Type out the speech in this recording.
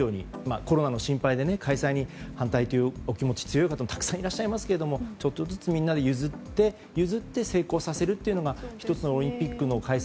コロナの不安で開催に反対というお気持ちが強い方もたくさんいらっしゃいますけどちょっとずつ、みんなで譲って成功させるというのが１つのオリンピックの開催